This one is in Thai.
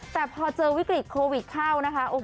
แต่พอเจอวิกฤตโควิดเข้านะคะ